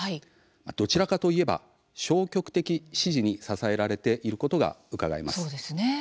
どちらかと言えば消極的支持に支えられていることがうかがえます。